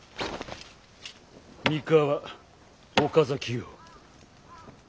三河岡崎よ。